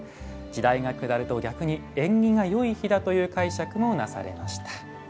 時代が下ると逆に縁起がいい日だという解釈もなされました。